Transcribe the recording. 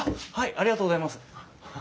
ありがとうございます。